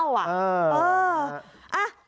เออครับครับครับครับครับครับ